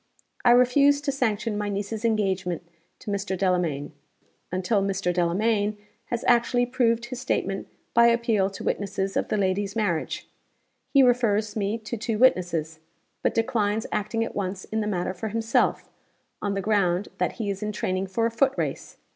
I refuse to sanction my niece's engagement to Mr. Delamayn, until Mr. Delamayn has actually proved his statement by appeal to witnesses of the lady's marriage. He refers me to two witnesses; but declines acting at once in the matter for himself, on the ground that he is in training for a foot race.